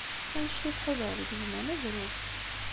Anect i tḥudreḍ deg zzman-a, drus.